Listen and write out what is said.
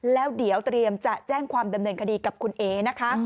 แล้วเดี๋ยวเตรียมจะแจ้งความดำเนินคดีกับคุณเอ๋นะคะ